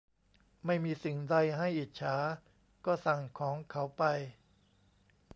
ไม่มีสิ่งใดให้อิจฉา ก็สั่งของเขาไป